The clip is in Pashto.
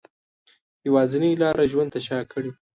یوازینۍ لاره ژوند ته شا کړي